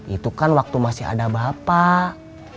itu kan waktu masih ada bapak